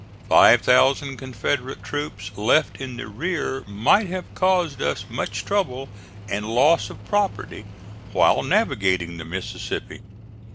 Five thousand Confederate troops left in the rear might have caused us much trouble and loss of property while navigating the Mississippi.